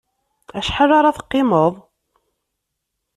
Acḥal ara teqqimeḍ?